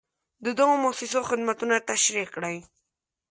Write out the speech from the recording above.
د دغو مؤسسو خدمتونه تشریح کړئ.